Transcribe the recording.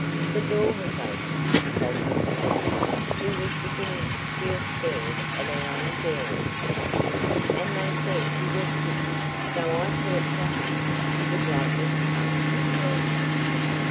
"The door was open," faltered Katy, who was beginning to feel scared at her own daring, "and they said you were sick, so I thought perhaps you would like me to come and see you."